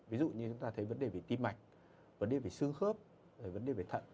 ví dụ như chúng ta thấy vấn đề về tim mạch vấn đề về xương khớp vấn đề về thận